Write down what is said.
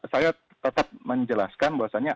saya tetap menjelaskan bahwasannya